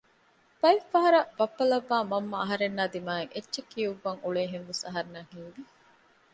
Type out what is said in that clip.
ބައެއްފަހަރަށް ބައްޕަ ލައްވައި މަންމަ އަހަރެންނާއި ދިމަޔަށް އެއްޗެއް ކިއުއްވަން އުޅޭހެންވެސް އަހަރެންނަށް ހީވެ